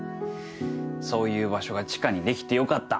そういう場所が知花にできてよかった。